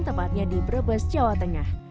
tepatnya di brebes jawa tengah